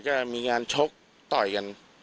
ก็มีงานชกต่อยกัน